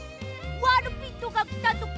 ワルピットがきたとか！